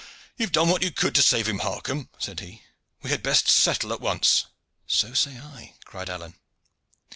"You have done what you could to save him, Harcomb," said he. "We had best settle at once." "So say I," cried Alleyne.